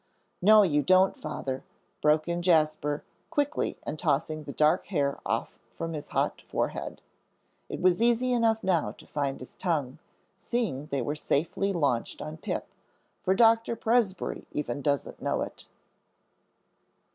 "No, you don't, Father," broke in Jasper, quickly, and tossing the dark hair off from his hot forehead. It was easy enough now to find his tongue, seeing they were safely launched on Pip, "for Doctor Presbrey even doesn't know it."